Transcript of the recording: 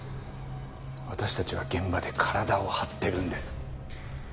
私たちは現場で体を張ってるんです。